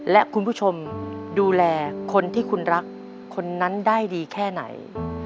และคุณผู้ชมดูแลคนที่คุณรักคนนั้นได้ดีแค่ไหน